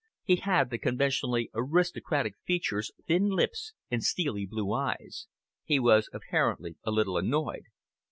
He had the conventionally aristocratic features, thin lips and steely blue eyes. He was apparently a little annoyed.